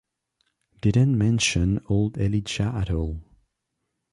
Didn't mention old Elijah at all.